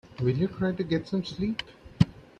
Will you try to get some sleep?